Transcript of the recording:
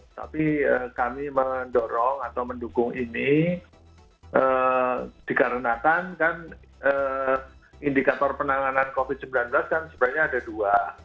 tapi kami mendorong atau mendukung ini dikarenakan kan indikator penanganan covid sembilan belas kan sebenarnya ada dua